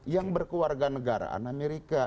yang berkeluarga negaraan amerika